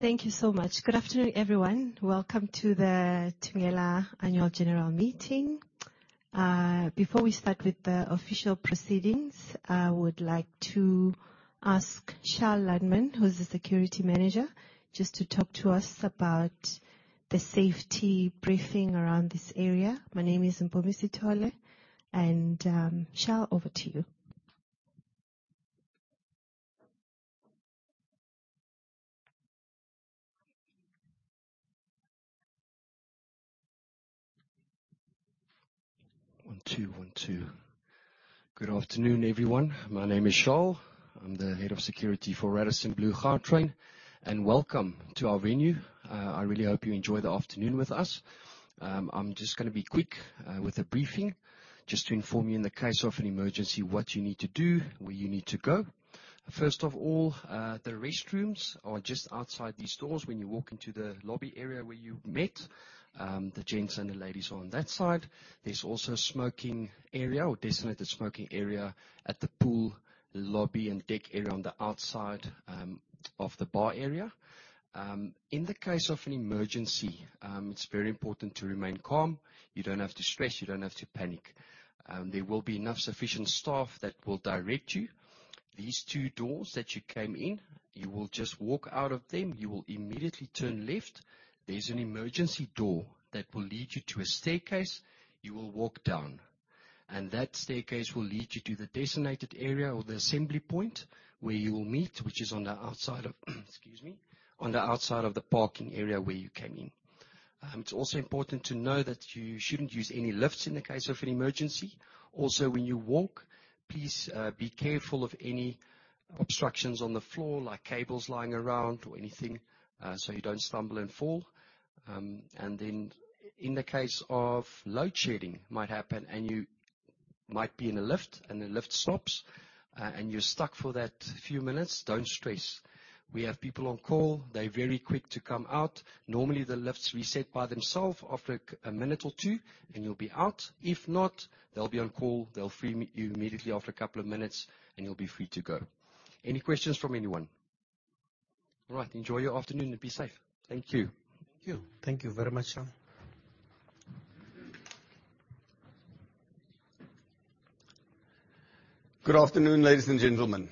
Thank you so much. Good afternoon, everyone. Welcome to the Thungela Annual General Meeting. Before we start with the official proceedings, I would like to ask Charles Ludman, who's the Security Manager, just to talk to us about the safety briefing around this area. My name is Mpumi Sithole, and Charles, over to you. One, two. One, two. Good afternoon, everyone. My name is Charles. I'm the head of security for Radisson Blu Gautrain. Welcome to our venue. I really hope you enjoy the afternoon with us. I'm just gonna be quick with the briefing, just to inform you in the case of an emergency, what you need to do, where you need to go. First of all, the restrooms are just outside these doors when you walk into the lobby area where you met. The gents and the ladies are on that side. There's also a smoking area or designated smoking area at the pool, lobby, and deck area on the outside of the bar area. In the case of an emergency, it's very important to remain calm. You don't have to stress. You don't have to panic. There will be enough sufficient staff that will direct you. These two doors that you came in, you will just walk out of them. You will immediately turn left. There's an emergency door that will lead you to a staircase you will walk down, and that staircase will lead you to the designated area or the assembly point where you will meet, which is on the outside of, excuse me, on the outside of the parking area where you came in. It's also important to know that you shouldn't use any lifts in the case of an emergency. Also, when you walk, please, be careful of any obstructions on the floor, like cables lying around or anything, so you don't stumble and fall. In the case of load shedding might happen, and you might be in a lift, and the lift stops, and you're stuck for that few minutes, don't stress. We have people on call. They're very quick to come out. Normally, the lifts reset by themselves after a minute or two, and you'll be out. If not, they'll be on call. They'll free you immediately after a couple of minutes, and you'll be free to go. Any questions from anyone? All right, enjoy your afternoon and be safe. Thank you. Thank you. Thank you very much, Charles. Good afternoon, ladies and gentlemen.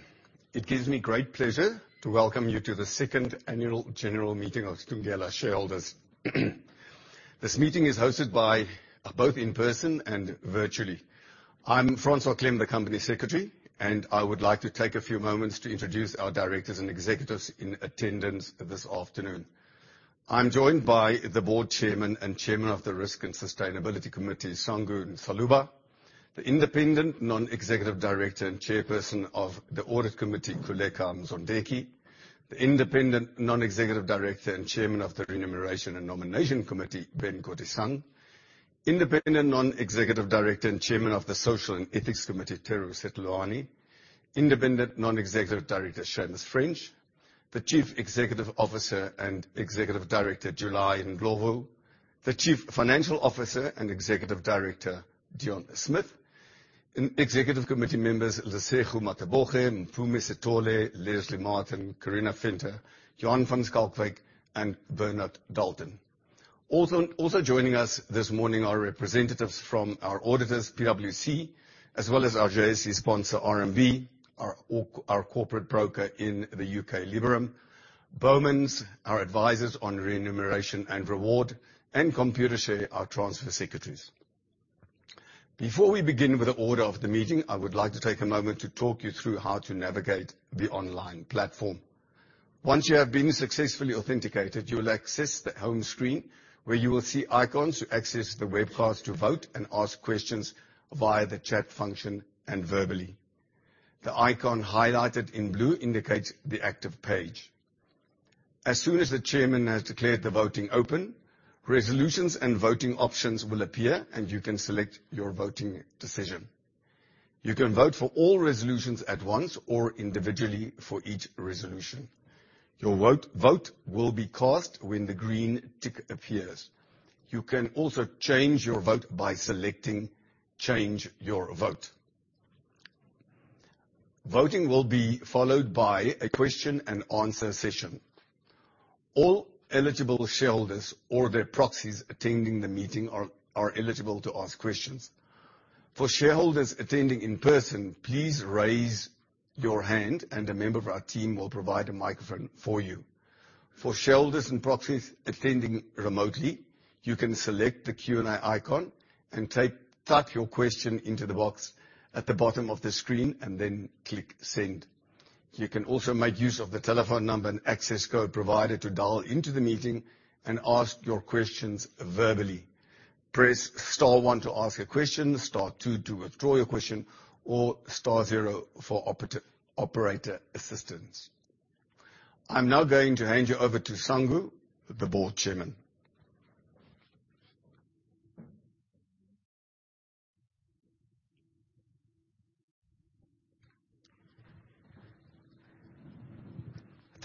It gives me great pleasure to welcome you to the second annual general meeting of Thungela shareholders. This meeting is hosted by both in person and virtually. I'm Francois Klem, the company secretary. I would like to take a few moments to introduce our directors and executives in attendance this afternoon. I'm joined by the Board Chairman and Chairman of the Risk and Sustainability Committee, Sango Ntsaluba, the Independent Non-Executive Director and Chairperson of the Audit Committee, Kholeka Mzondeki, the Independent Non-Executive Director and Chairman of the Remuneration and Nomination Committee, Ben Kodisang, Independent Non-Executive Director and Chairman of the Social, Ethics and Transformation Committee, Thero Setiloane, Independent Non-Executive Director, Seamus French, the Chief Executive Officer and Executive Director, July Ndlovu, the Chief Financial Officer and Executive Director, Deon Smith, and executive committee members, Lesego Mataboge, Mpumi Sithole, Leslie Martin, Carina Venter, Johan van Schalkwyk, and Bernard Dalton. Also joining us this morning are representatives from our auditors, PwC, as well as our JSE sponsor, RMB, our corporate broker in the UK, Liberum, Bowmans, our advisors on remuneration and reward, and Computershare, our transfer secretaries. Before we begin with the order of the meeting, I would like to take a moment to talk you through how to navigate the online platform. Once you have been successfully authenticated, you will access the home screen, where you will see icons to access the webcast to vote and ask questions via the chat function and verbally. The icon highlighted in blue indicates the active page. As soon as the chairman has declared the voting open, resolutions and voting options will appear, and you can select your voting decision. You can vote for all resolutions at once or individually for each resolution. Your vote will be cast when the green tick appears. You can also change your vote by selecting Change Your Vote. Voting will be followed by a question-and-answer session. All eligible shareholders or their proxies attending the meeting are eligible to ask questions. For shareholders attending in person, please raise your hand, and a member of our team will provide a microphone for you. For shareholders and proxies attending remotely, you can select the Q&A icon and type your question into the box at the bottom of the screen and then click Send. You can also make use of the telephone number and access code provided to dial into the meeting and ask your questions verbally. Press star one to ask a question, star two to withdraw your question, or star zero for operator assistance. I'm now going to hand you over to Sango, the board chairman.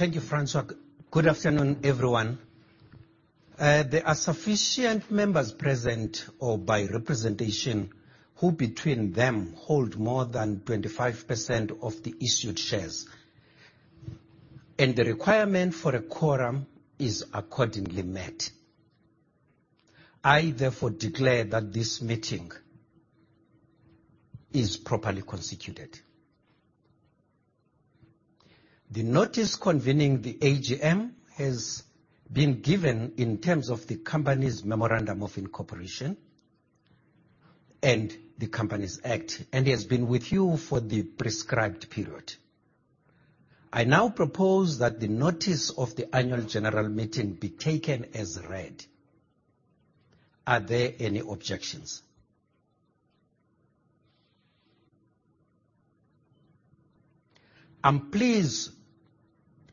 Thank you, Francois. Good afternoon, everyone. There are sufficient members present or by representation, who between them hold more than 25% of the issued shares, and the requirement for a quorum is accordingly met. I therefore declare that this meeting is properly constituted. The notice convening the AGM has been given in terms of the company's memorandum of incorporation and the Companies Act, and it has been with you for the prescribed period. I now propose that the notice of the annual general meeting be taken as read. Are there any objections? I'm pleased to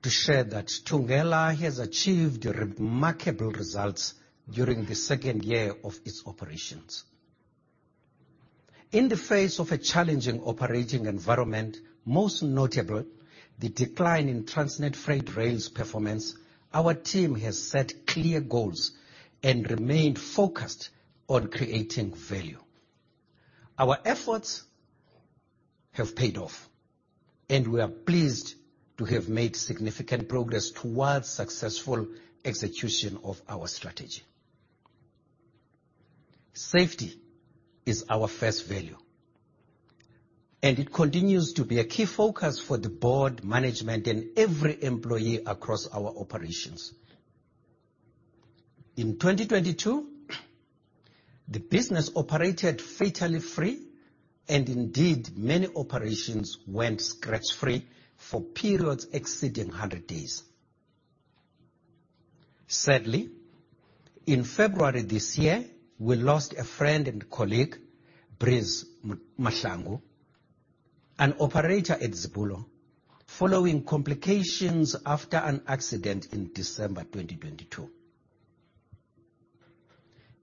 share that Thungela has achieved remarkable results during the second year of its operations. In the face of a challenging operating environment, most notable the decline in Transnet Freight Rail's performance, our team has set clear goals and remained focused on creating value. Our efforts have paid off, and we are pleased to have made significant progress towards successful execution of our strategy. Safety is our first value, and it continues to be a key focus for the board, management, and every employee across our operations. In 2022, the business operated fatally free, and indeed, many operations went scratch-free for periods exceeding 100 days. Sadly, in February this year, we lost a friend and colleague, Breeze Mahlangu, an operator at Zibulo, following complications after an accident in December 2022.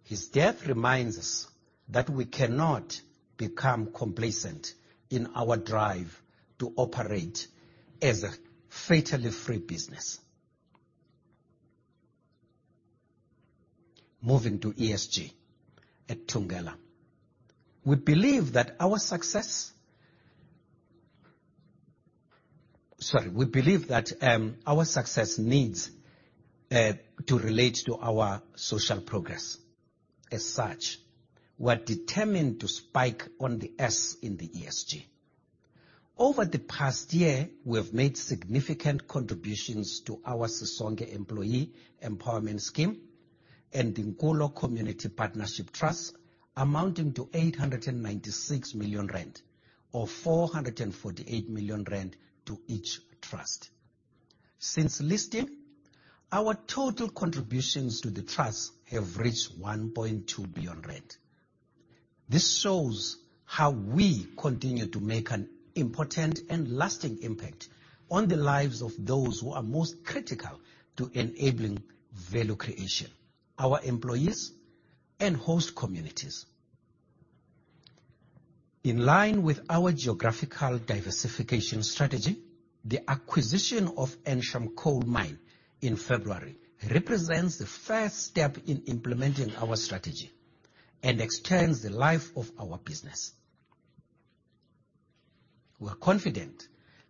His death reminds us that we cannot become complacent in our drive to operate as a fatally free business. Moving to ESG at Thungela. We believe that our success needs to relate to our social progress. As such, we're determined to spike on the S in the ESG. Over the past year, we have made significant contributions to our Sisonke Employee Empowerment Scheme and the Nkulo Community Partnership Trust, amounting to 896 million rand, or 448 million rand to each trust. Since listing, our total contributions to the trusts have reached 1.2 billion rand. This shows how we continue to make an important and lasting impact on the lives of those who are most critical to enabling value creation, our employees and host communities. In line with our geographical diversification strategy, the acquisition of Ensham Coal Mine in February represents the first step in implementing our strategy and extends the life of our business. We are confident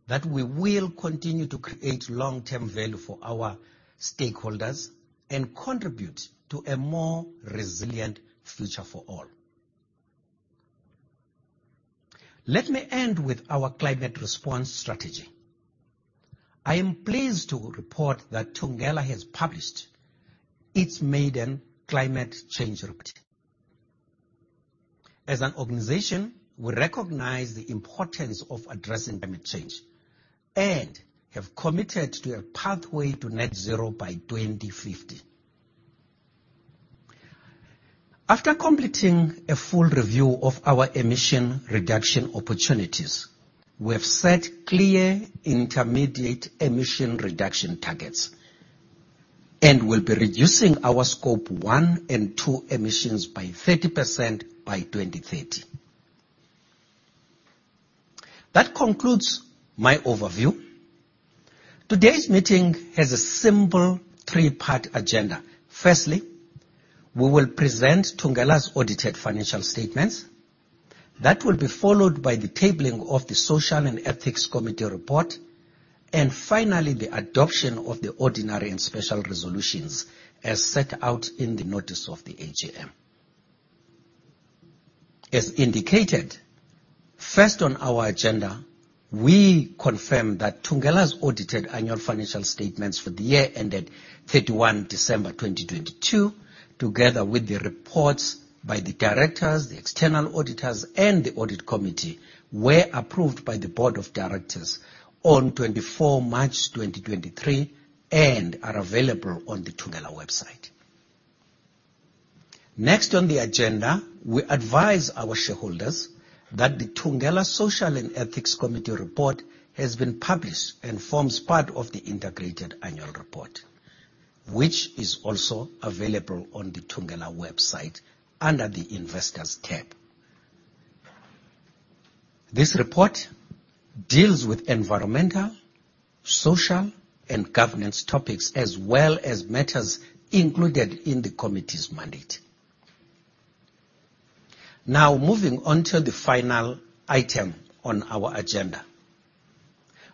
that we will continue to create long-term value for our stakeholders and contribute to a more resilient future for all. Let me end with our climate response strategy. I am pleased to report that Thungela has published its maiden climate change report. As an organization, we recognize the importance of addressing climate change and have committed to a pathway to net zero by 2050. After completing a full review of our emission reduction opportunities, we have set clear intermediate emission reduction targets and will be reducing our Scope 1 and Scope 2 emissions by 30% by 2030. That concludes my overview. Today's meeting has a simple 3-part agenda. Firstly, we will present Thungela's audited financial statements. That will be followed by the tabling of the Social and Ethics Committee report, and finally, the adoption of the ordinary and special resolutions as set out in the notice of the AGM. As indicated, first on our agenda, we confirm that Thungela's audited annual financial statements for the year ended 31 December 2022, together with the reports by the directors, the external auditors, and the Audit Committee, were approved by the board of directors on 24 March 2023 and are available on the Thungela website. Next on the agenda, we advise our shareholders that the Thungela Social and Ethics Committee report has been published and forms part of the integrated annual report, which is also available on the Thungela website under the Investors tab. This report deals with environmental, social, and governance topics, as well as matters included in the committee's mandate. Now, moving on to the final item on our agenda.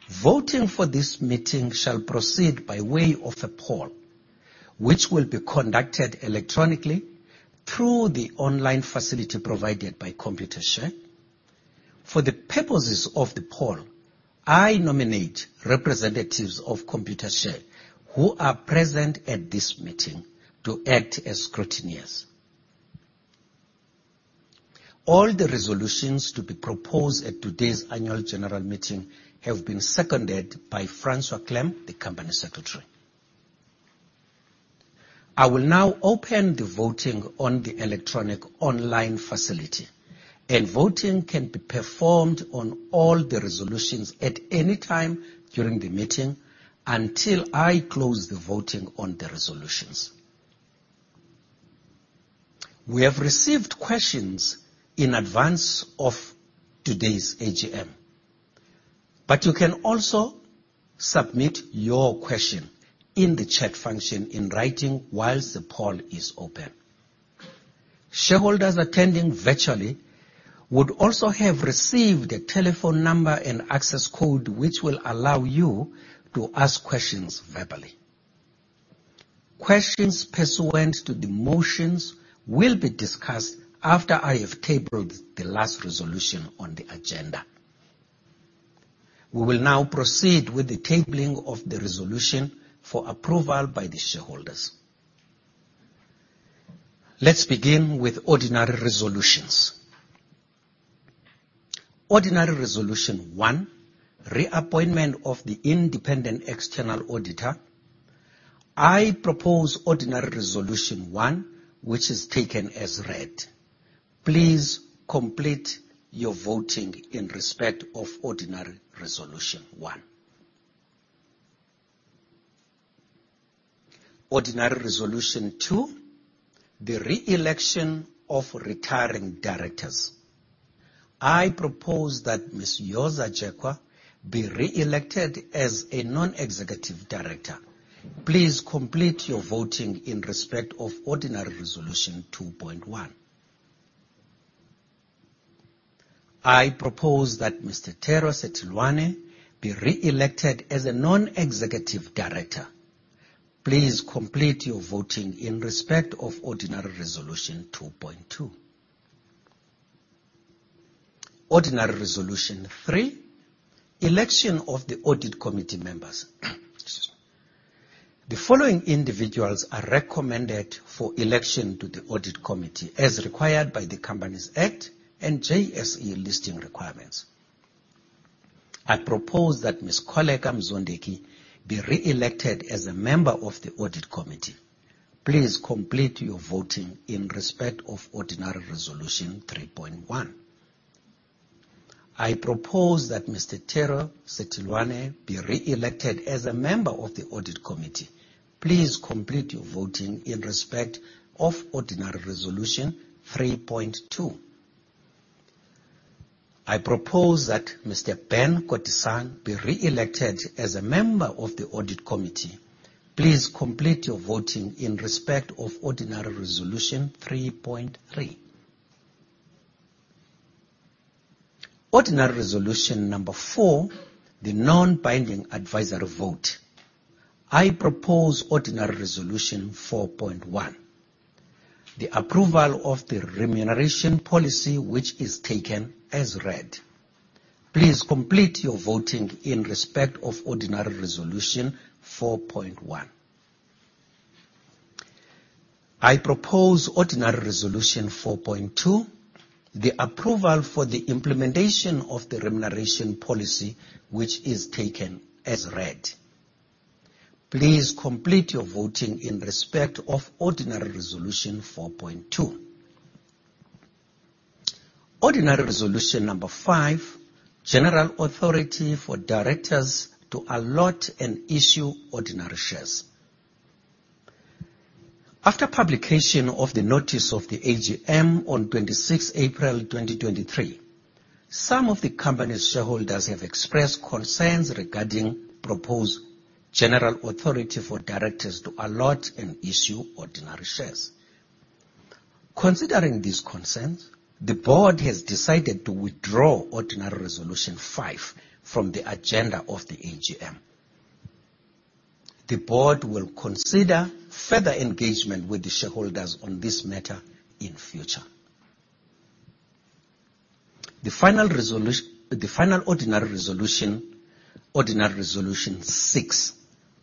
Voting for this meeting shall proceed by way of a poll, which will be conducted electronically through the online facility provided by Computershare. For the purposes of the poll, I nominate representatives of Computershare who are present at this meeting to act as scrutineers. All the resolutions to be proposed at today's annual general meeting have been seconded by Francois Klem, the company secretary. I will now open the voting on the electronic online facility, and voting can be performed on all the resolutions at any time during the meeting until I close the voting on the resolutions. We have received questions in advance of today's AGM, but you can also submit your question in the chat function in writing while the poll is open. Shareholders attending virtually would also have received a telephone number and access code, which will allow you to ask questions verbally. Questions pursuant to the motions will be discussed after I have tabled the last resolution on the agenda. We will now proceed with the tabling of the resolution for approval by the shareholders. Let's begin with ordinary resolutions. Ordinary Resolution 1, reappointment of the independent external auditor. I propose Ordinary Resolution 1, which is taken as read. Please complete your voting in respect of Ordinary Resolution 1. Ordinary Resolution 2, the re-election of retiring directors. I propose that Ms. Yoza Jekwa be re-elected as a non-executive director. Please complete your voting in respect of Ordinary Resolution 2.1. I propose that Mr. Thero Setiloane be re-elected as a non-executive director. Please complete your voting in respect of Ordinary Resolution 2.2. Ordinary Resolution 3, election of the Audit Committee members. The following individuals are recommended for election to the Audit Committee as required by the Companies Act and JSE listing requirements. I propose that Ms. Kholeka Mzondeki be re-elected as a member of the Audit Committee. Please complete your voting in respect of Ordinary Resolution 3.1. I propose that Mr. Thero Setiloane be re-elected as a member of the Audit Committee. Please complete your voting in respect of Ordinary Resolution 3.2. I propose that Mr. Ben Kodisang be re-elected as a member of the Audit Committee. Please complete your voting in respect of Ordinary Resolution 3.3. Ordinary Resolution number 4, the non-binding advisory vote. I propose Ordinary Resolution 4.1, the approval of the remuneration policy, which is taken as read. Please complete your voting in respect of Ordinary Resolution 4.1. I propose Ordinary Resolution 4.2, the approval for the implementation of the remuneration policy, which is taken as read. Please complete your voting in respect of Ordinary Resolution 4.2. Ordinary Resolution 5, general authority for directors to allot and issue ordinary shares. After publication of the notice of the AGM on 26th April, 2023, some of the company's shareholders have expressed concerns regarding proposed general authority for directors to allot and issue ordinary shares. Considering these concerns, the board has decided to withdraw Ordinary Resolution 5 from the agenda of the AGM. The board will consider further engagement with the shareholders on this matter in future. The final ordinary resolution, Ordinary Resolution 6.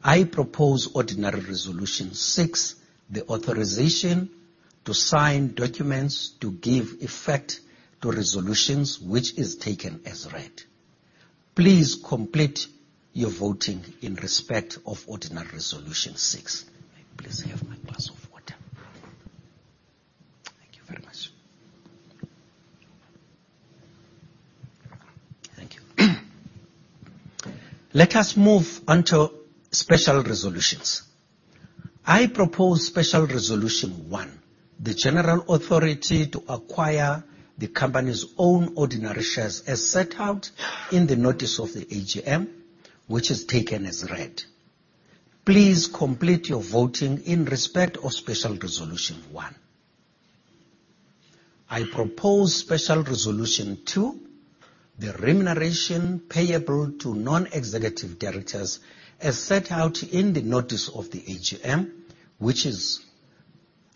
I propose Ordinary Resolution 6, the authorization to sign documents to give effect to resolutions which is taken as read. Please complete your voting in respect of Ordinary Resolution 6. Please, I have my glass of water. Thank you very much. Let us move on to special resolutions. I propose Special Resolution 1: the general authority to acquire the company's own ordinary shares, as set out in the notice of the AGM, which is taken as read. Please complete your voting in respect of Special Resolution 1. I propose Special Resolution 2: the remuneration payable to non-executive directors, as set out in the notice of the AGM, which is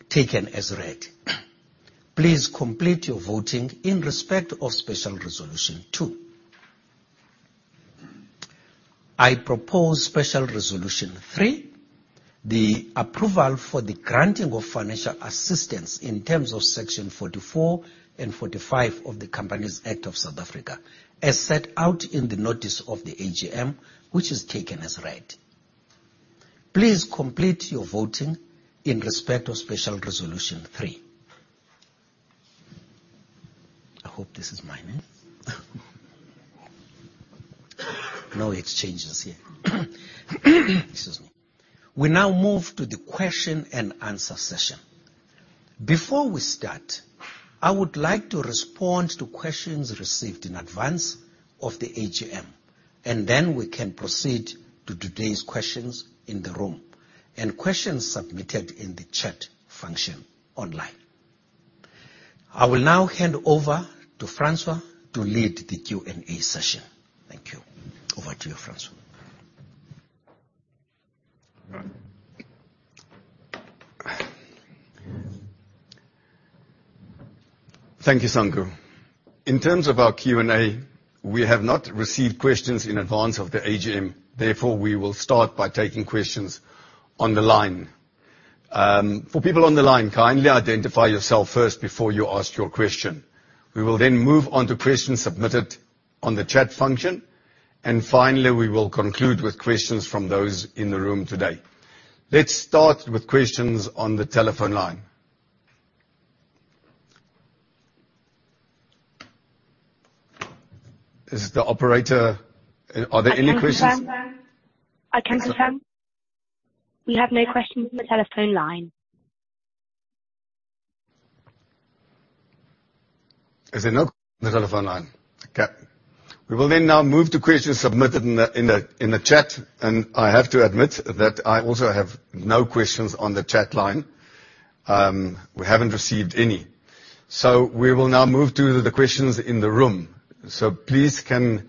taken as read. Please complete your voting in respect of Special Resolution 2. I propose Special Resolution 3: the approval for the granting of financial assistance in terms of Section 44 and 45 of the Companies Act of South Africa, as set out in the notice of the AGM, which is taken as read. Please complete your voting in respect of Special Resolution 3. I hope this is mine, eh? No exchanges here. Excuse me. We now move to the question and answer session. Before we start, I would like to respond to questions received in advance of the AGM. We can proceed to today's questions in the room and questions submitted in the chat function online. I will now hand over to Francois to lead the Q&A session. Thank you. Over to you, Francois. Thank you, Sango. In terms of our Q&A, we have not received questions in advance of the AGM, therefore, we will start by taking questions on the line. For people on the line, kindly identify yourself first before you ask your question. We will then move on to questions submitted on the chat function, and finally, we will conclude with questions from those in the room today. Let's start with questions on the telephone line. Is the operator, are there any questions? I can confirm we have no questions on the telephone line. Is there no the telephone line? Okay. We will then now move to questions submitted in the chat, I have to admit that I also have no questions on the chat line. We haven't received any, we will now move to the questions in the room. Please, can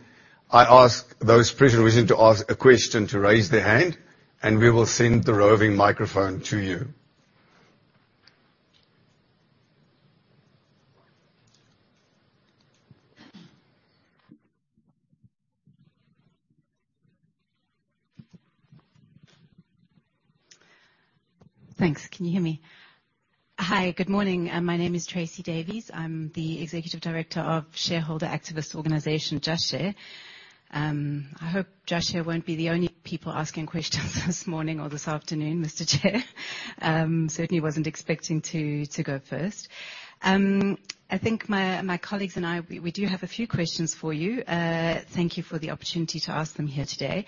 I ask those wishing to ask a question to raise their hand, and we will send the roving microphone to you. Thanks. Can you hear me? Hi, good morning. My name is Tracey Davies. I'm the executive director of shareholder activist organization, Just Share. I hope Just Share won't be the only people asking questions this morning or this afternoon, Mr. Chair. Certainly wasn't expecting to go first. I think my colleagues and I, we do have a few questions for you. Thank you for the opportunity to ask them here today.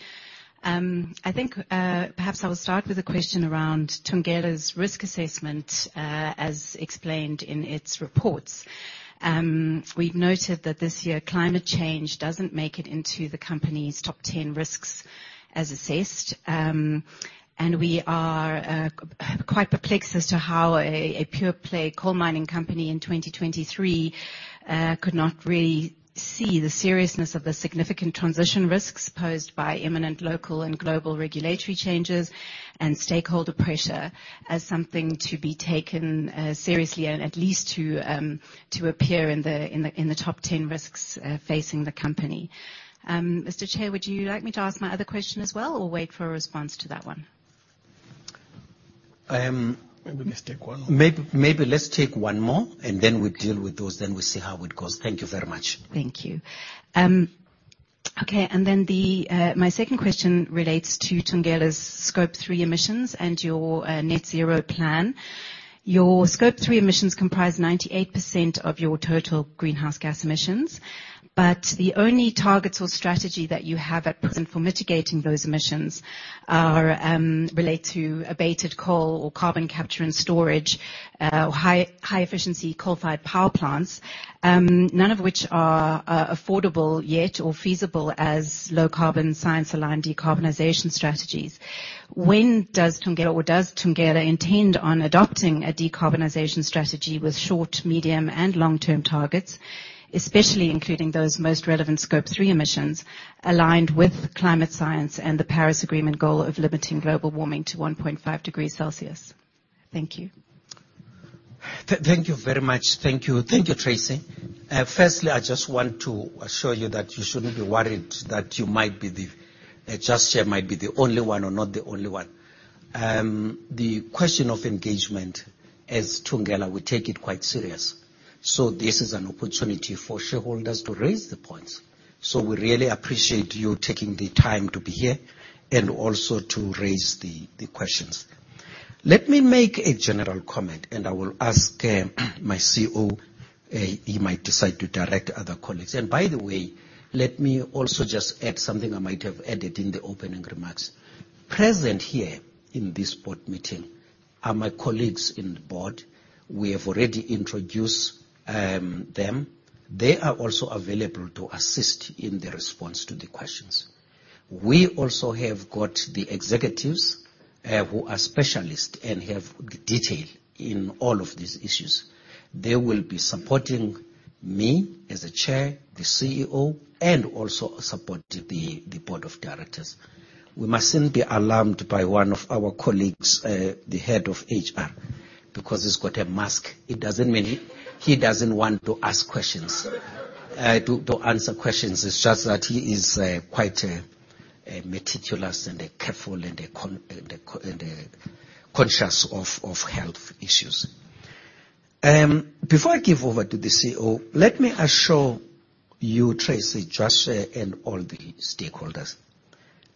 I think perhaps I will start with a question around Thungela's risk assessment, as explained in its reports. We've noted that this year, climate change doesn't make it into the company's top 10 risks as assessed. We are quite perplexed as to how a pure-play coal mining company in 2023 could not really see the seriousness of the significant transition risks posed by imminent local and global regulatory changes and stakeholder pressure as something to be taken seriously and at least to appear in the top 10 risks facing the company. Mr. Chair, would you like me to ask my other question as well, or wait for a response to that one? Maybe let's take one. Maybe let's take one more, and then we deal with those, then we see how it goes. Thank you very much. Thank you. Okay, then the my second question relates to Thungela's Scope 3 emissions and your net zero plan. Your Scope 3 emissions comprise 98% of your total greenhouse gas emissions, the only targets or strategy that you have at present for mitigating those emissions relate to abated coal or carbon capture and storage, high-efficiency coal-fired power plants, none of which are affordable yet or feasible as low-carbon, science-aligned decarbonization strategies. When does Thungela or does Thungela intend on adopting a decarbonization strategy with short, medium, and long-term targets, especially including those most relevant Scope 3 emissions, aligned with climate science and the Paris Agreement goal of limiting global warming to 1.5 degrees Celsius? Thank you. Thank you very much. Thank you. Thank you, Tracey. Firstly, I just want to assure you that you shouldn't be worried, that you might be the Just Share might be the only one or not the only one. The question of engagement as Thungela, we take it quite serious. This is an opportunity for shareholders to raise the points. We really appreciate you taking the time to be here and also to raise the questions. Let me make a general comment, and I will ask my CEO, he might decide to direct other colleagues. By the way, let me also just add something I might have added in the opening remarks. Present here in this board meeting are my colleagues in the board. We have already introduced them. They are also available to assist in the response to the questions. We also have got the executives, who are specialists and have the detail in all of these issues. They will be supporting me as a chair, the CEO, and also support the board of directors. We mustn't be alarmed by one of our colleagues, the Head of HR, because he's got a mask. It doesn't mean he doesn't want to ask questions. To answer questions, it's just that he is quite meticulous and careful, and conscious of health issues. Before I give over to the CEO, let me assure you, Tracey, Joshua, and all the stakeholders,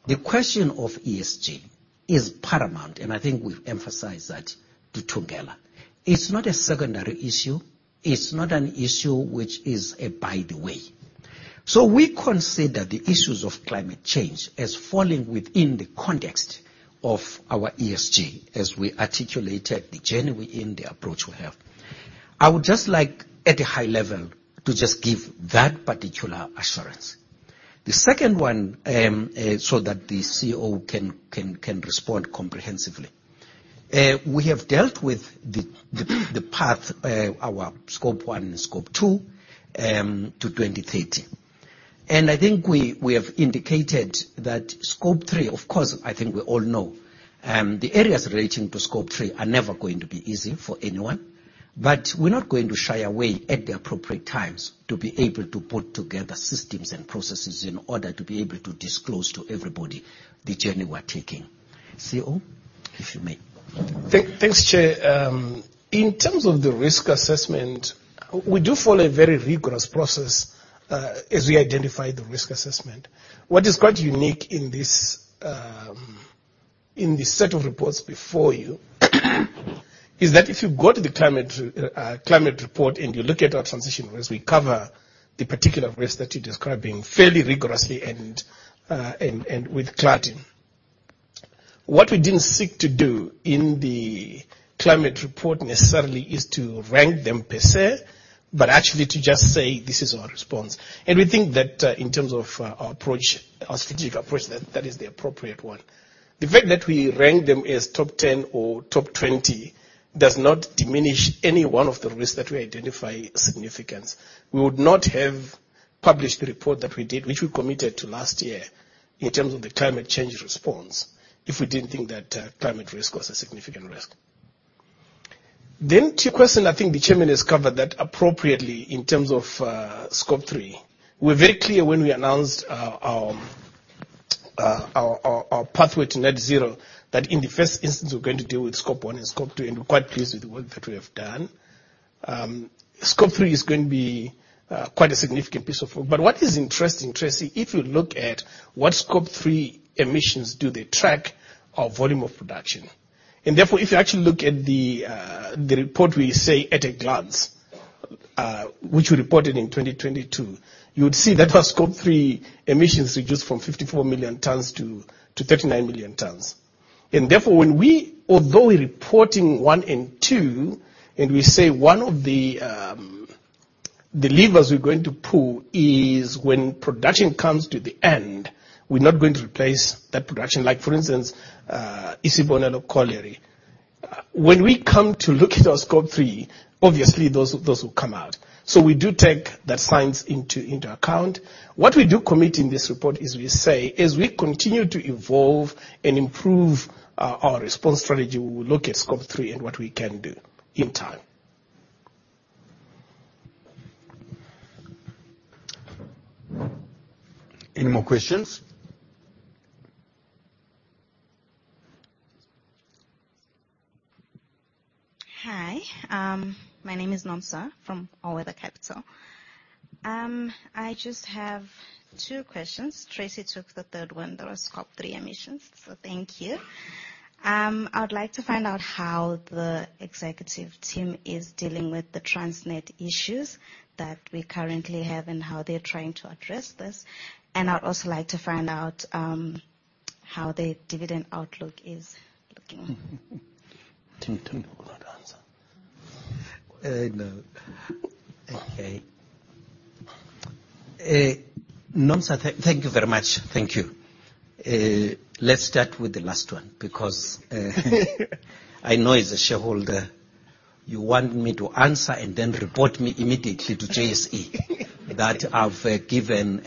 the question of ESG is paramount, and I think we've emphasized that together. It's not a secondary issue. It's not an issue which is by the way. We consider the issues of climate change as falling within the context of our ESG, as we articulated the journey within the approach we have. I would just like, at a high level, to just give that particular assurance. The second one, that the CEO can respond comprehensively. We have dealt with the path, our Scope 1 and Scope 2, to 2030. I think we have indicated that Scope 3, of course, I think we all know, the areas relating to Scope 3 are never going to be easy for anyone. We're not going to shy away at the appropriate times to be able to put together systems and processes in order to be able to disclose to everybody the journey we're taking. CEO, if you may. Thanks, Chair. In terms of the risk assessment, we do follow a very rigorous process as we identify the risk assessment. What is quite unique in this in this set of reports before you, is that if you go to the climate climate report and you look at our transition risk, we cover the particular risks that you're describing fairly rigorously and with clarity. What we didn't seek to do in the climate report necessarily, is to rank them per se, but actually to just say, "This is our response." We think that in terms of our approach, our strategic approach, that is the appropriate one. The fact that we rank them as top 10 or top 20 does not diminish any one of the risks that we identify as significant. We would not have published the report that we did, which we committed to last year, in terms of the climate change response, if we didn't think that climate risk was a significant risk. To your question, I think the Chairman has covered that appropriately in terms of Scope 3. We were very clear when we announced our pathway to net zero, that in the first instance, we're going to deal with Scope 1 and Scope 2, and we're quite pleased with the work that we have done. Scope 3 is going to be quite a significant piece of work. What is interesting, Tracey, if you look at what Scope 3 emissions do, they track our volume of production. Therefore, if you actually look at the report, we say at a glance, which we reported in 2022, you would see that our Scope 3 emissions reduced from 54 million tons to 39 million tons. Therefore, when we although we're reporting Scope 1 and 2, and we say one of the levers we're going to pull is when production comes to the end, we're not going to replace that production like, for instance, Isibonelo and Goedehoop. When we come to look at our Scope 3, obviously those will come out. We do take that science into account. What we do commit in this report is, we say, as we continue to evolve and improve our response strategy, we will look at Scope 3 and what we can do in time. Any more questions? Hi, my name is Nomsa from All Weather Capital. I just have two questions. Tracey took the third one, that was Scope 3 emissions. Thank you. I would like to find out how the executive team is dealing with the Transnet issues that we currently have, and how they're trying to address this. I'd also like to find out how the dividend outlook is looking. Do you want to answer? No. Okay. Nomsa, thank you very much. Thank you. Let's start with the last one, because I know as a shareholder, you want me to answer and then report me immediately to JSE. That I've given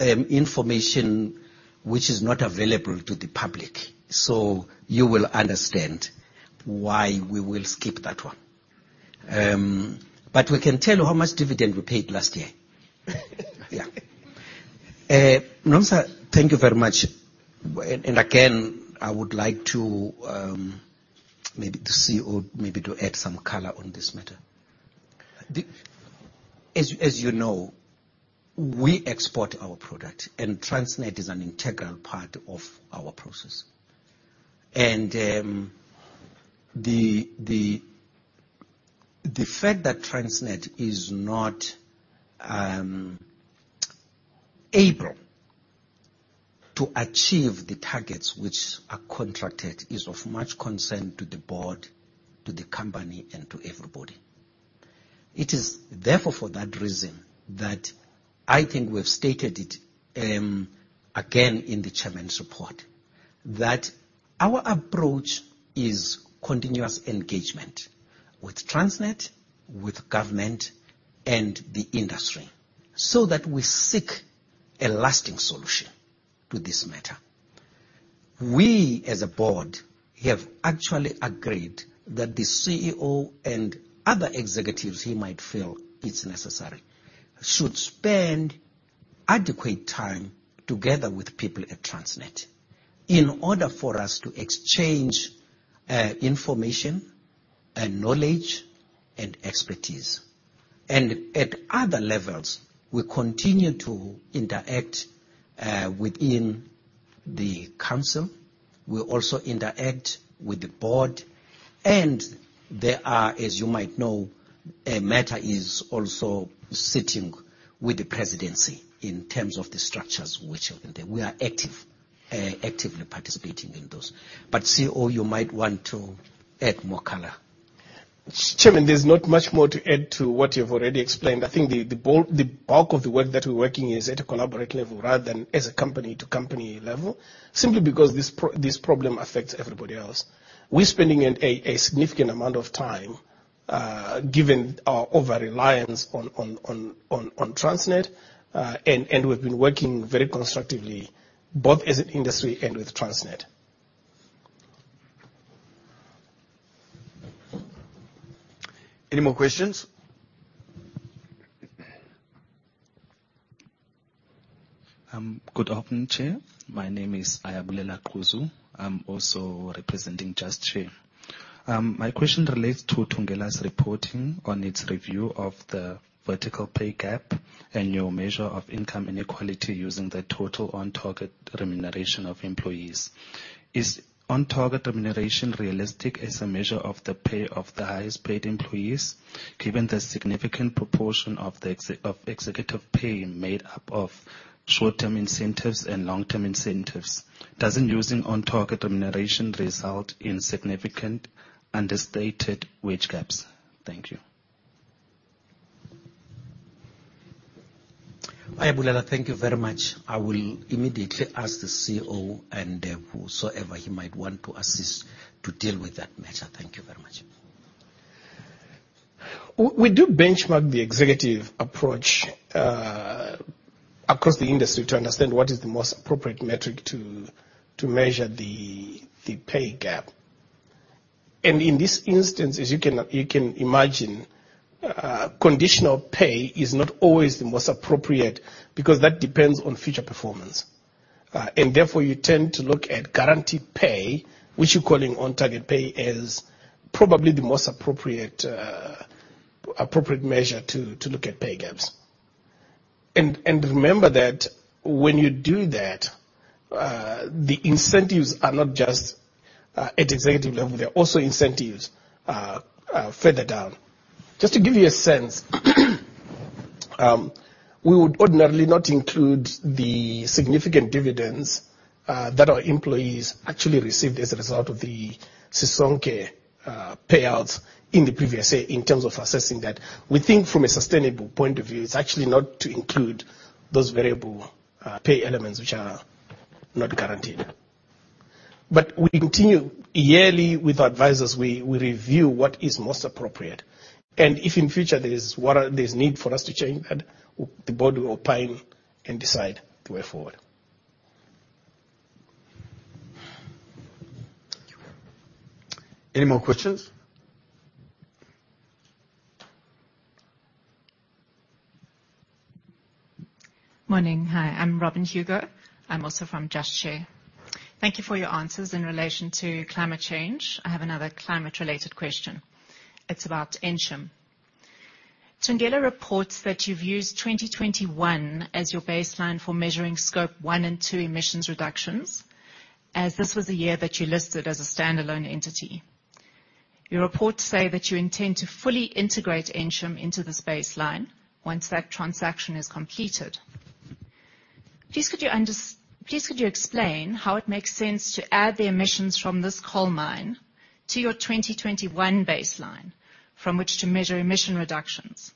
information which is not available to the public, so you will understand why we will skip that one. We can tell you how much dividend we paid last year. Yeah. Nomsa, thank you very much. Again, I would like to, maybe the CEO, maybe to add some color on this matter. As you know, we export our product, and Transnet is an integral part of our process. The fact that Transnet is not able to achieve the targets which are contracted is of much concern to the board, to the company, and to everybody. It is therefore, for that reason, that I think we have stated it again, in the chairman's report, that our approach is continuous engagement with Transnet, with government, and the industry, so that we seek a lasting solution to this matter. We, as a board, have actually agreed that the CEO and other executives he might feel it's necessary, should spend adequate time together with people at Transnet in order for us to exchange information and knowledge and expertise. At other levels, we continue to interact within the council. We also interact with the board. There are, as you might know, a matter is also sitting with the presidency in terms of the structures which are in there. We are actively participating in those. CEO, you might want to add more color. Chairman, there's not much more to add to what you've already explained. I think the bold, the bulk of the work that we're working is at a collaborate level rather than as a company-to-company level, simply because this problem affects everybody else. We're spending a significant amount of time, given our over-reliance on Transnet, and we've been working very constructively, both as an industry and with Transnet. Any more questions? Good afternoon, Chair. My name is Ayabulela Quzu. I'm also representing Just Share. My question relates to Thungela's reporting on its review of the vertical pay gap and your measure of income inequality using the total on-target remuneration of employees. Is on-target remuneration realistic as a measure of the pay of the highest paid employees, given the significant proportion of executive pay made up of short-term incentives and long-term incentives? Doesn't using on-target remuneration result in significant understated wage gaps? Thank you. Ayabulela, thank you very much. I will immediately ask the CEO and whosoever he might want to assist to deal with that matter. Thank you very much. We do benchmark the executive approach across the industry to understand what is the most appropriate metric to measure the pay gap. In this instance, as you can imagine, conditional pay is not always the most appropriate, because that depends on future performance. Therefore, you tend to look at guaranteed pay, which you're calling on-target pay, as probably the most appropriate measure to look at pay gaps. Remember that when you do that, the incentives are not just at executive level, there are also incentives further down. Just to give you a sense, we would ordinarily not include the significant dividends that our employees actually received as a result of the Sisonke payouts in the previous year in terms of assessing that. We think from a sustainable point of view, it's actually not to include those variable pay elements which are not guaranteed. We continue yearly with our advisors, we review what is most appropriate, and if in future there's need for us to change that, the board will opine and decide the way forward. Any more questions? Morning. Hi, I'm Robyn Hugo. I'm also from Just Share. Thank you for your answers in relation to climate change. I have another climate-related question. It's about Ensham. Thungela reports that you've used 2021 as your baseline for measuring Scope 1 and Scope 2 emissions reductions, as this was the year that you listed as a standalone entity. Your reports say that you intend to fully integrate Ensham into the baseline once that transaction is completed. Please, could you explain how it makes sense to add the emissions from this coal mine to your 2021 baseline, from which to measure emission reductions?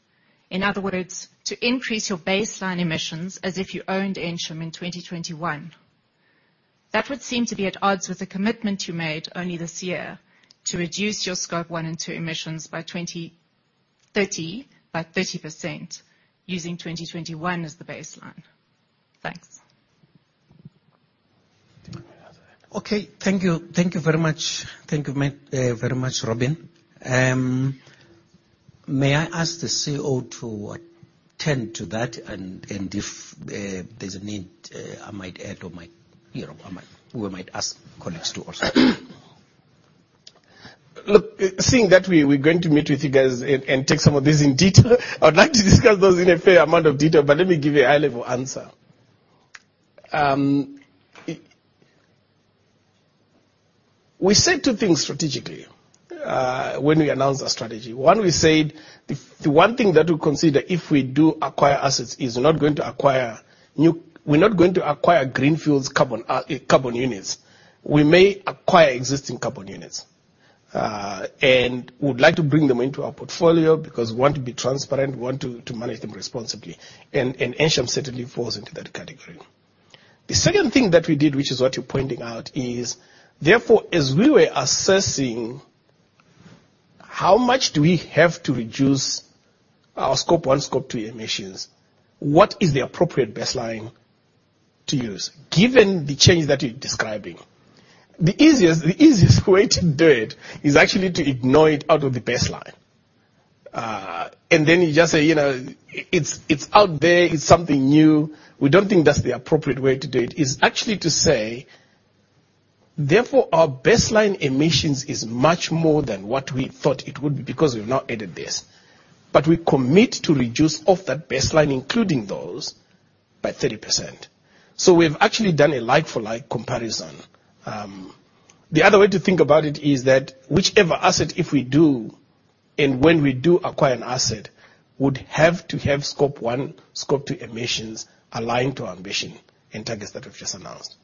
In other words, to increase your baseline emissions as if you owned Ensham in 2021. That would seem to be at odds with the commitment you made only this year, to reduce your Scope 1 and 2 emissions by 2030, by 30%, using 2021 as the baseline. Thanks. Okay. Thank you. Thank you very much. Thank you, ma'am, very much, Robyn. May I ask the CEO to attend to that, and if there's a need, I might add or might, you know, we might ask colleagues to also. Look, seeing that we're going to meet with you guys and take some of these in detail, I would like to discuss those in a fair amount of detail. Let me give you a high-level answer. We said two things strategically when we announced our strategy. One, we said, the one thing that we consider if we do acquire assets, is we're not going to acquire greenfields carbon units. We may acquire existing carbon units. We would like to bring them into our portfolio, because we want to be transparent, we want to manage them responsibly, and Ensham certainly falls into that category. The second thing that we did, which is what you're pointing out, is, therefore, as we were assessing how much do we have to reduce our Scope 1, Scope 2 emissions, what is the appropriate baseline to use, given the change that you're describing? The easiest way to do it is actually to ignore it out of the baseline. Then you just say, "You know, it's out there. It's something new." We don't think that's the appropriate way to do it. It's actually to say, therefore, our baseline emissions is much more than what we thought it would be, because we've now added this, but we commit to reduce off that baseline, including those, by 30%. We've actually done a like-for-like comparison. The other way to think about it is that whichever asset, if we do and when we do acquire an asset, would have to have Scope 1, Scope 2 emissions aligned to our ambition and targets that we've just announced.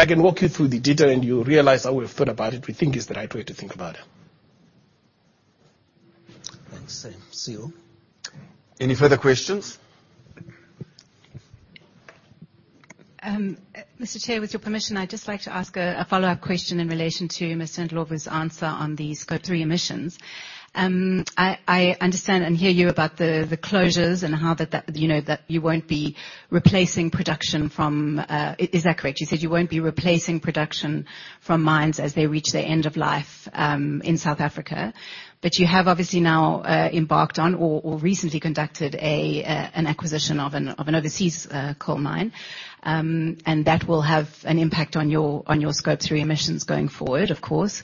I can walk you through the data and you'll realize how we've thought about it. We think it's the right way to think about it. Thanks, CEO. Any further questions? Mr. Chair, with your permission, I'd just like to ask a follow-up question in relation to Mr. Ndlovu's answer on the Scope 3 emissions. I understand and hear you about the closures and how that, you know, that you won't be replacing production from. Is that correct? You said you won't be replacing production from mines as they reach their end of life in South Africa. You have obviously now embarked on or recently conducted an acquisition of an overseas coal mine. That will have an impact on your Scope 3 emissions going forward, of course.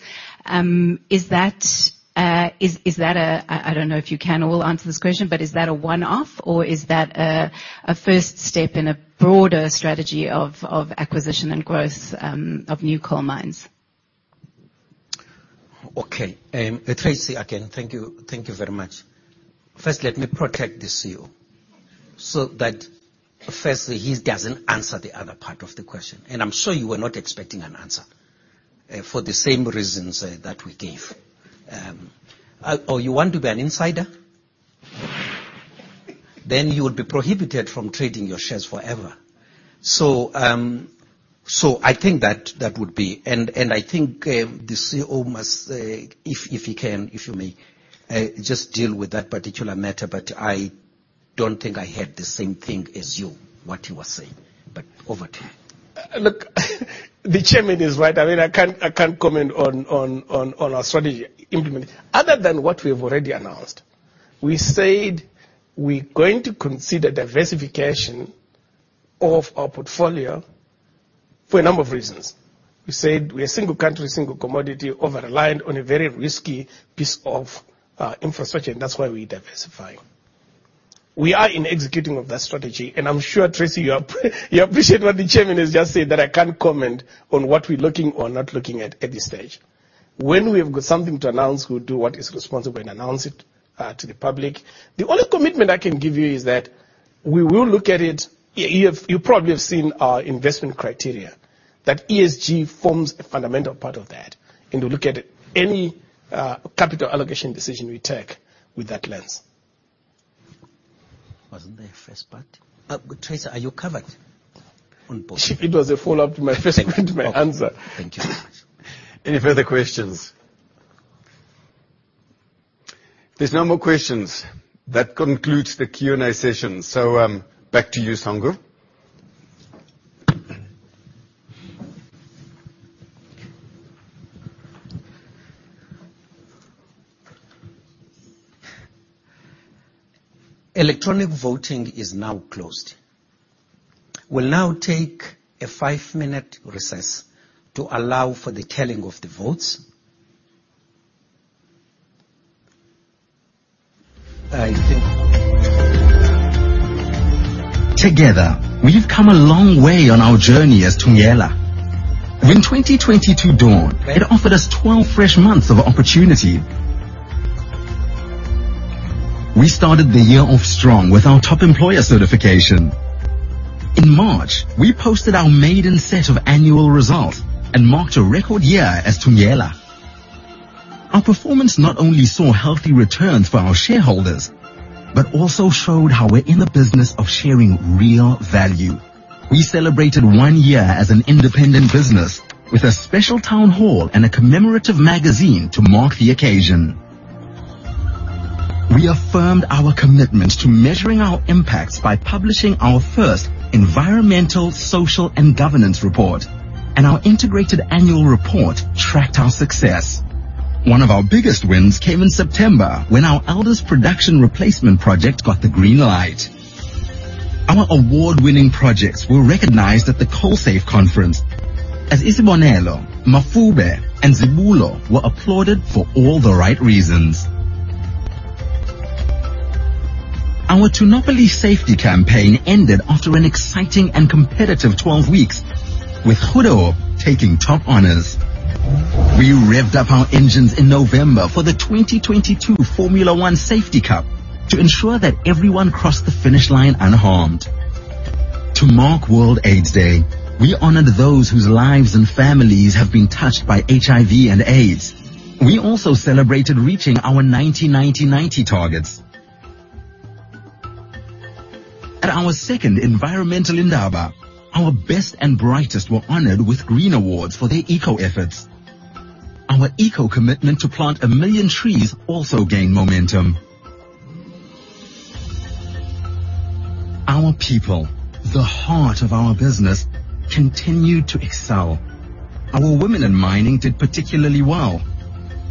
I don't know if you can or will answer this question, but is that a one-off or is that a first step in a broader strategy of acquisition and growth of new coal mines? Tracey, again, thank you. Thank you very much. First, let me protect the CEO, so that firstly, he doesn't answer the other part of the question, and I'm sure you were not expecting an answer for the same reasons that we gave. You want to be an insider? You will be prohibited from trading your shares forever. I think that would be. I think the CEO must, if he can, if you may, just deal with that particular matter, I don't think I heard the same thing as you, what you were saying. Over to you. The Chairman is right. I mean, I can't comment on our strategy implement. Other than what we have already announced, we said we're going to consider diversification of our portfolio for a number of reasons. We said we're a single country, single commodity, over-reliant on a very risky piece of infrastructure, that's why we're diversifying. We are in executing of that strategy, I'm sure, Tracey, you appreciate what the Chairman has just said, that I can't comment on what we're looking or not looking at at this stage. When we have got something to announce, we'll do what is responsible and announce it to the public. The only commitment I can give you is that we will look at it. You probably have seen our investment criteria, that ESG forms a fundamental part of that, and we'll look at any capital allocation decision we take with that lens. Wasn't there a first part? Tracey, are you covered on both? It was a follow-up to my first part, my answer. Thank you very much. Any further questions? If there's no more questions, that concludes the Q&A session. Back to you, Sango. Electronic voting is now closed. We'll now take a five-minute recess to allow for the tallying of the votes. Together, we've come a long way on our journey as Thungela. When 2022 dawned, it offered us 12 fresh months of opportunity. We started the year off strong with our Top Employer certification. In March, we posted our maiden set of annual results and marked a record year as Thungela. Our performance not only saw healthy returns for our shareholders, but also showed how we're in the business of sharing real value. We celebrated one year as an independent business with a special town hall and a commemorative magazine to mark the occasion. We affirmed our commitment to measuring our impacts by publishing our first environmental, social, and governance report, and our integrated annual report tracked our success. One of our biggest wins came in September, when our eldest production replacement project got the green light. Our award-winning projects were recognized at the CoalSAFE Conference, as Isibonelo, Mafube, and Zibulo were applauded for all the right reasons. Our Thunopeli safety campaign ended after an exciting and competitive 12 weeks, with Goedehoop taking top honors. We revved up our engines in November for the 2022 Formula One Safety Cup to ensure that everyone crossed the finish line unharmed. To mark World AIDS Day, we honored those whose lives and families have been touched by HIV and AIDS. We also celebrated reaching our 90, 90 targets. At our second Environmental Indaba, our best and brightest were honored with Green Awards for their eco efforts. Our eco commitment to plant 1 million trees also gained momentum. Our people, the heart of our business, continued to excel. Our women in mining did particularly well.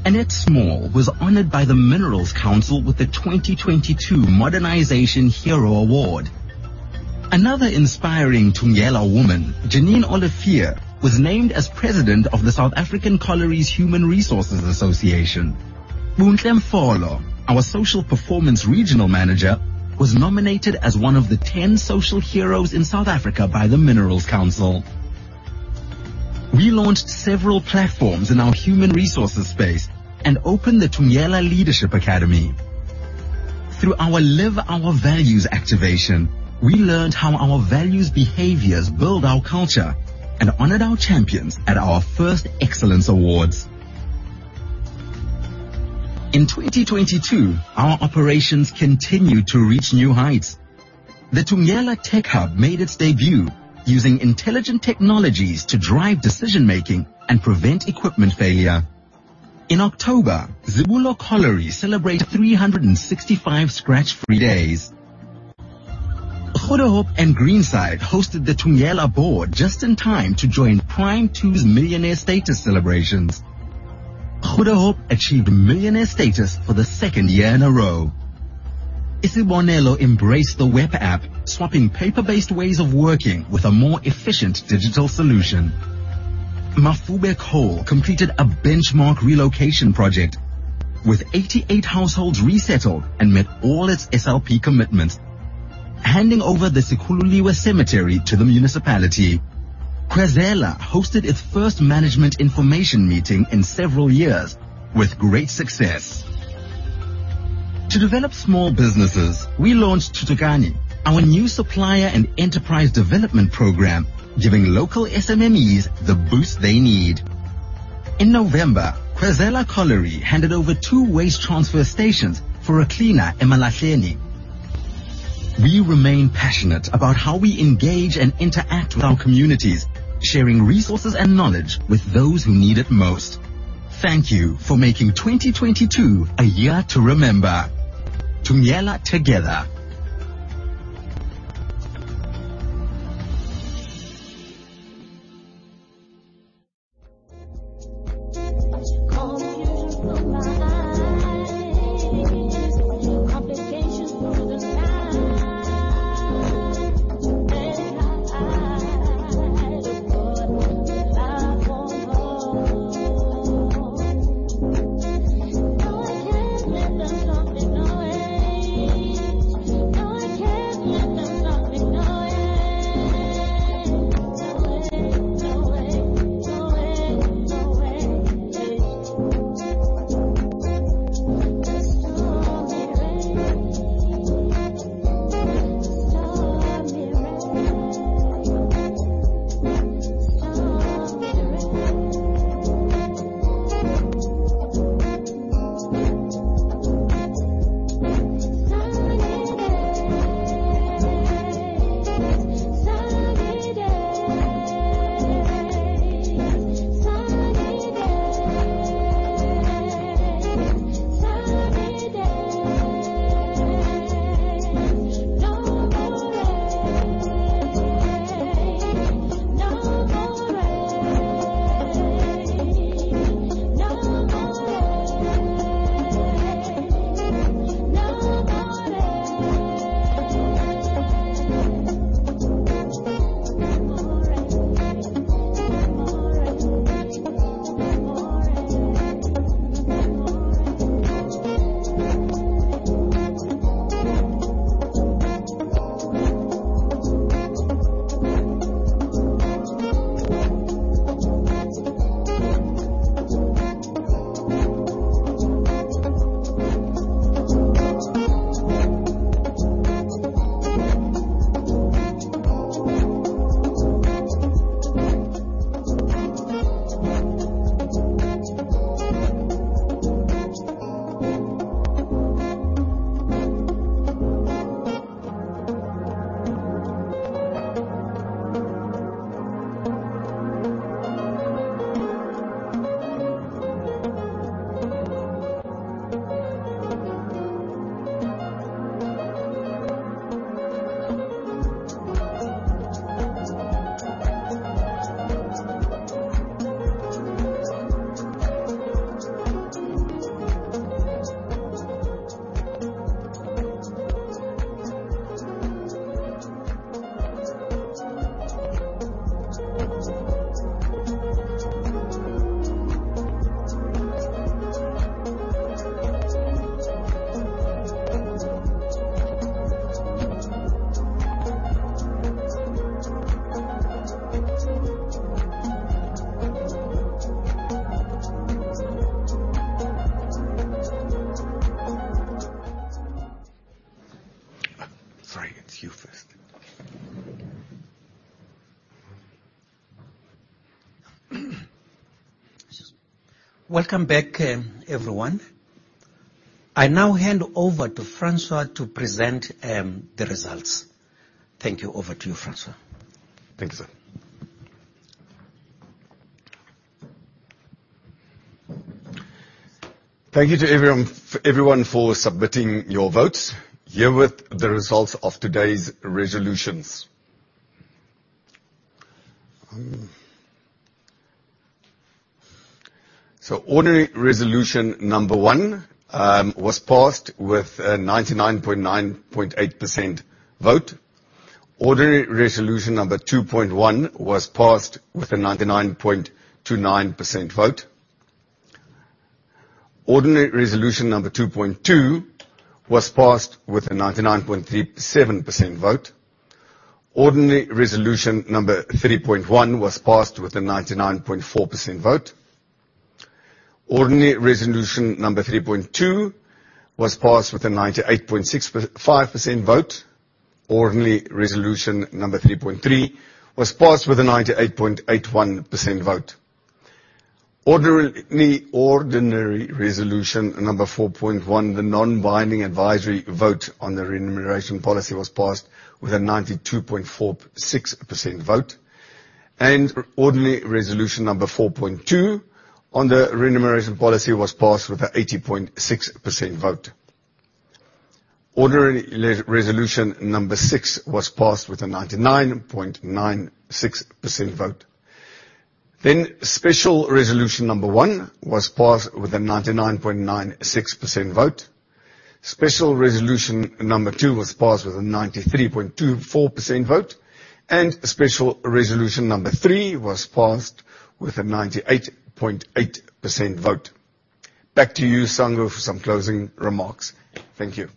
Annette Small was honored by the Minerals Council with the 2022 Modernisation Hero Award. Another inspiring Thungela woman, Janine Olivier, was named as president of the South African Collieries Human Resources Association. Bontle Bostander, our Regional Manager, Social Performance, was nominated as one of the 10 social heroes in South Africa by the Minerals Council. We launched several platforms in our human resources space and opened the Thungela Leadership Academy. Through our Live Our Values activation, we learned how our values behaviors build our culture and honored our champions at our first Excellence Awards. In 2022, our operations continued to reach new heights. The Thungela Tech Hub made its debut, using intelligent technologies to drive decision-making and prevent equipment failure. In October, Zibulo Colliery celebrated 365 scratch-free days. Goedehoop and Greenside hosted the Thungela board just in time to join Prime 2's millionaire status celebrations. Goedehoop achieved millionaire status for the second year in a row. Isibonelo Embraced the web app, swapping paper-based ways of working with a more efficient digital solution. Mafube Coal completed a benchmark relocation project, with 88 households resettled and met all its SLP commitments, handing over the Sikululiwe Cemetery to the municipality. Khwezela hosted its first Management Information Meeting in several years with great success. To develop small businesses, we launched Thuthukani, our new supplier and enterprise development program, giving local SMMEs the boost they need. In November, Khwezela Colliery handed over 2 waste transfer stations for a cleaner eMalahleni. We remain passionate about how we engage and interact with our communities, sharing resources and knowledge with those who need it most. Thank you for making 2022 a year to remember. Thungela Together! Sorry, it's you first. Welcome back, everyone. I now hand over to Francois to present the results. Thank you. Over to you, Francois. Thank you, sir. Thank you to everyone for submitting your votes. Here with the results of today's resolutions. Ordinary resolution number 1 was passed with a 99.98% vote. Ordinary resolution number 2.1 was passed with a 99.29% vote. Ordinary resolution number 2.2 was passed with a 99.37% vote. Ordinary resolution number 3.1 was passed with a 99.4% vote. Ordinary resolution number 3.2 was passed with a 98.65% vote. Ordinary resolution number 3.3 was passed with a 98.81% vote. Ordinary resolution number 4.1, the non-binding advisory vote on the remuneration policy, was passed with a 92.46% vote. Ordinary resolution number 4.2 on the remuneration policy was passed with an 80.6% vote. Ordinary resolution number 6 was passed with a 99.96% vote. Special resolution number 1 was passed with a 99.96% vote. Special resolution number 2 was passed with a 93.24% vote, and special resolution number 3 was passed with a 98.8% vote. Back to you, Sango, for some closing remarks. Thank you.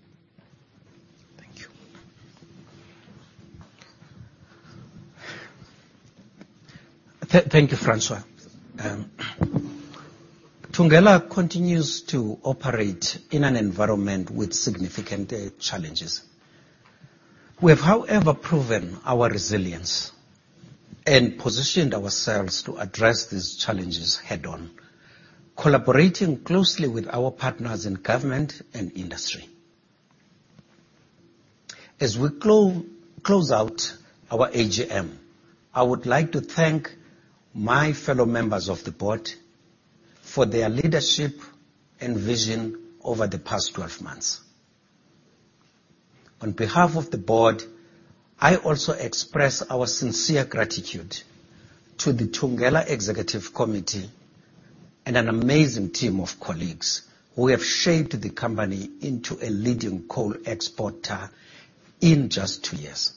Thank you, Francois. Thungela continues to operate in an environment with significant challenges. We have, however, proven our resilience and positioned ourselves to address these challenges head-on, collaborating closely with our partners in government and industry. As we close out our AGM, I would like to thank my fellow members of the board for their leadership and vision over the past 12 months. On behalf of the board, I also express our sincere gratitude to the Thungela Executive Committee and an amazing team of colleagues who have shaped the company into a leading coal exporter in just 2 years.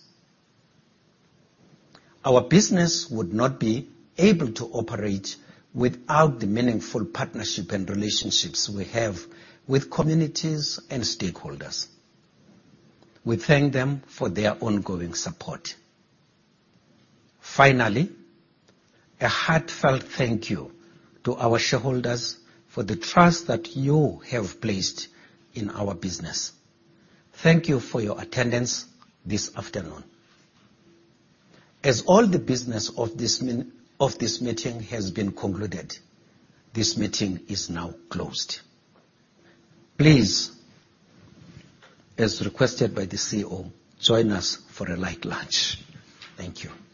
Our business would not be able to operate without the meaningful partnership and relationships we have with communities and stakeholders. We thank them for their ongoing support. Finally, a heartfelt thank you to our shareholders for the trust that you have placed in our business. Thank you for your attendance this afternoon. As all the business of this meeting has been concluded, this meeting is now closed. Please, as requested by the CEO, join us for a light lunch. Thank you.